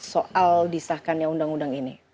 soal disahkannya undang undang ini